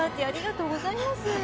ありがとうございます。